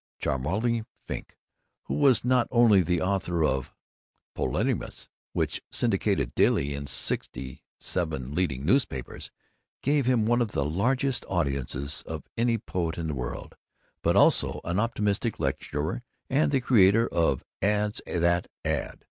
Cholmondeley Frink, who was not only the author of "Poemulations," which, syndicated daily in sixty seven leading newspapers, gave him one of the largest audiences of any poet in the world, but also an optimistic lecturer and the creator of "Ads that Add."